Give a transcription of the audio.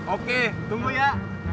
oke tunggu ya